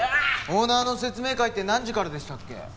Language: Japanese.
オーナーの説明会って何時からでしたっけ？